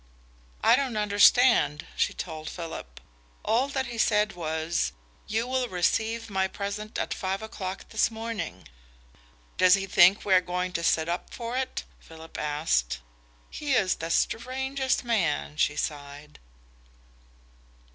"I don't understand," she told Philip. "All that he said was 'You will receive my present at five o'clock this morning!'" "Does he think we are going to sit up for it?" Philip asked. "He is the strangest man," she sighed....